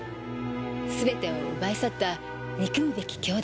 全てを奪い去った憎むべき凶弾。